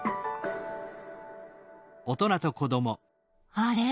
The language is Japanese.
あれ？